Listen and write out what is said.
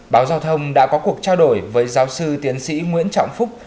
báo giao thông đã có cuộc trao đổi với giáo sư tiến sĩ nguyễn trọng phúc